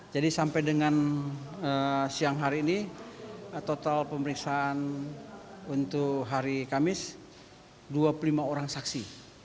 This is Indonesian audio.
jadi sampai dengan siang hari ini total pemeriksaan untuk hari kamis dua puluh lima orang saksi